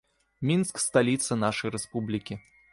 Мінск сталіца нашай рэспублікі.